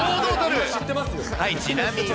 ちなみに。